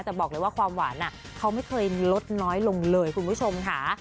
แต่บอกเลยว่าความหวานเขาไม่เคยลดน้อยลงเลยคุณผู้ชมค่ะ